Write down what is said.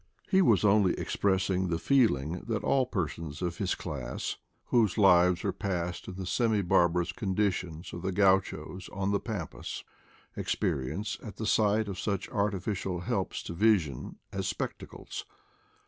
He was only expressing the feeling that all per sons of his class, whose lives are passed in the semi barbarous conditions of the gauchos on the pampas, experience at the sight of such artificial helps to vision as spectacles.